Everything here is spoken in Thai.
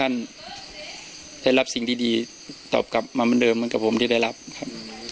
ท่านจะรับสิ่งที่ดีตอบกับมาเวินเดิมเหมือนกับผมที่ได้รับครับ